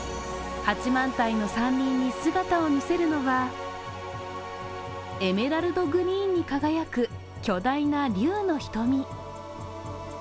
八幡平の山林に姿を見せるのはエメラルドグリーンに輝く巨大な竜の瞳。